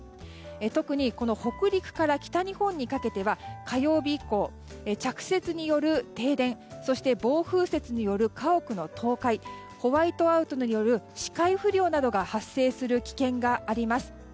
特に北陸から北日本にかけては火曜日以降、着雪による停電やそして暴風雪による家屋の倒壊ホワイトアウトによる視界不良などが発生する危険があります。